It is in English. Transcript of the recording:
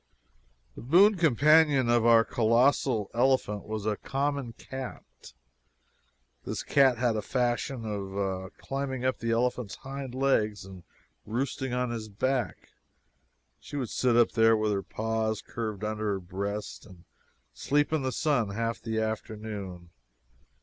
The boon companion of the colossal elephant was a common cat! This cat had a fashion of climbing up the elephant's hind legs and roosting on his back. She would sit up there, with her paws curved under her breast, and sleep in the sun half the afternoon.